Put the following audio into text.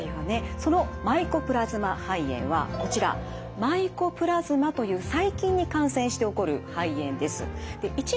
そのマイコプラズマ肺炎はこちらマイコプラズマという細菌に感染して起こる肺炎です。